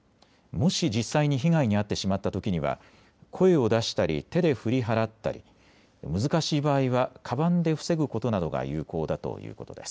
もし実際に被害に遭ってしまったときには、声を出したり手で振り払ったり難しい場合はかばんで防ぐことなどが有効だということです。